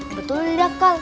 betul ya kak